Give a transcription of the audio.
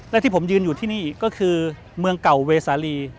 และที่ผมยืนอยู่ที่นี่ก็คือเมืองเก่าเวสาลี